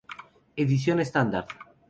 Edición estándar